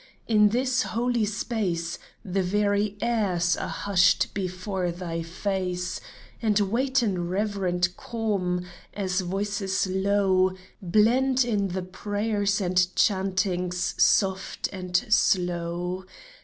In this holy space The very airs are hushed before Thy face, And wait in reverent calm, as voices low Blend in the prayers and chantings, soft and slow.